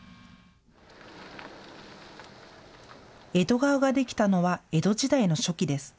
江戸川ができたのは江戸時代の初期です。